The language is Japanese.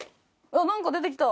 なんか出てきた！